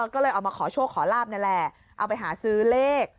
ก็เลยเอามาขอโชคขอลาบนั่นแหละเอาไปหาซื้อเลข